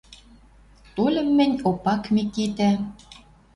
— Тольым мӹнь, Опак Микитӓ